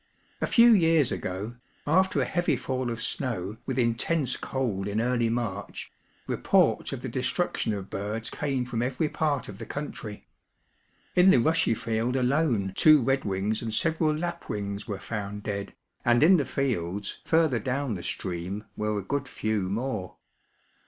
A few years ago, after a heavy fall of snow with intense cold in early March, reports of the destruction of birds came from every part of the country. In the rushy field alone two redwings imd several lapwings were found dead, and in the fields further down the stream were a good few more.